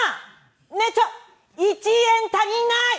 ねえちょっ１円足りない！